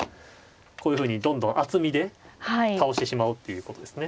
こういうふうにどんどん厚みで倒してしまおうっていうことですね。